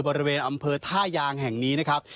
บริเวณอำเภอท่ายางแห่งนี้นะครับ